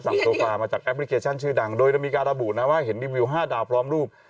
โซฟามาจากแอปพลิเคชันชื่อดังโดยมีการระบุนะว่าเห็นรีวิว๕ดาวพร้อมรูป